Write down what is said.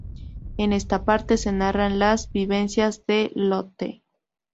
En esta parte se narra las vivencias de Lotte.